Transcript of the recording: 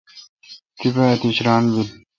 تیپہ اتیش ران بل۔